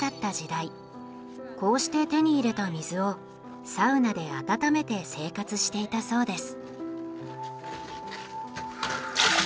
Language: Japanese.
こうして手に入れた水をサウナで温めて生活していたそうです。